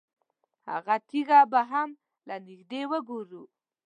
هغه تیږه به هم له نږدې وګورو.